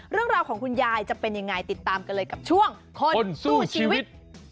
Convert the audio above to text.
เรื่องราวของคุณยายจะเป็นยังไงติดตามกันเลยกับช่วงคนสู้ชีวิต